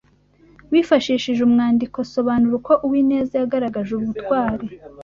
Wifashishije umwandiko sobanura uko Uwineza yagaragaje ubutwari.